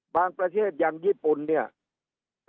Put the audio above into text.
บางประเทศอย่างญี่ปุ่นเนี่ยเขาได้รู้ว่ามันไม่มี